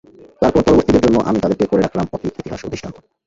তারপর পরবর্তীদের জন্য আমি তাদেরকে করে রাখলাম অতীত ইতিহাস ও দৃষ্টান্ত।